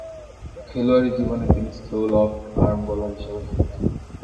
খেলোয়াড়ী জীবনে তিনি স্লো লেফট-আর্ম বোলার হিসেবে খেলতেন।